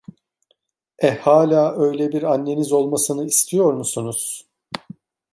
E, hâlâ öyle bir anneniz olmasını istiyor musunuz?